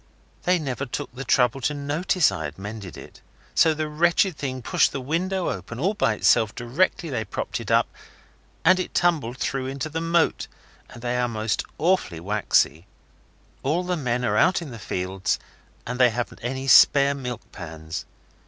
They never took the trouble to notice I had mended it. So the wretched thing pushed the window open all by itself directly they propped it up, and it tumbled through into the moat, and they are most awfully waxy. All the men are out in the fields and they haven't any spare milk pans.